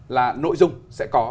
là nội dung sẽ có